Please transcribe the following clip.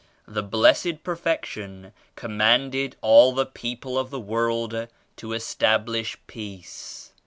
The Blessed Perfection commanded all the people of the world to establish Peace.